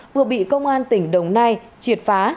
vừa bị công an tỉnh đồng nai triệt phá